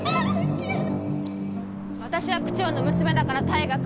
私は区長の娘だから退学。